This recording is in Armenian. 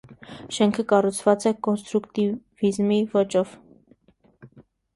Շենքը կառուցված է կոնստրուկտիվիզմի ոճով։